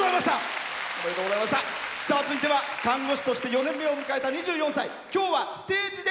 続いては看護師として４年目を迎えた２４歳。